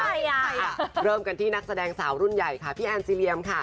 อะเริ่มกันที่นักแสดงสาวรุ่นใหญ่พี่แอลซีเรียมค่ะ